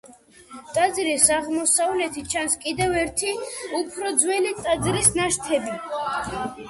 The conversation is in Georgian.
ტაძრის აღმოსავლეთით ჩანს კიდევ ერთი, უფრო ძველი ტაძრის ნაშთები.